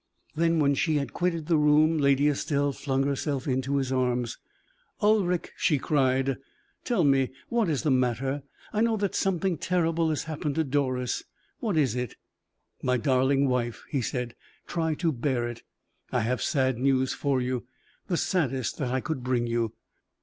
Then when she had quitted the room, Lady Estelle flung herself into his arms. "Ulric," she cried, "tell me what is the matter? I know that something terrible has happened to Doris what is it?" "My darling wife," he said, "try to bear it. I have sad news for you the saddest that I could bring you.